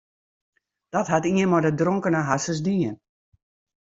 Dat hat ien mei de dronkene harsens dien.